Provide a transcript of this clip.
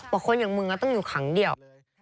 บอกคนอย่างมึงก็ต้องอยู่ขังเดียว